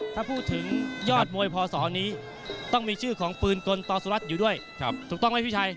ถ้าพูดถึงยอดมวยพศนี้ต้องมีชื่อของปืนกลต่อสุรัตน์อยู่ด้วยถูกต้องไหมพี่ชัย